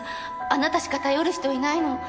あなたしか頼る人いないの。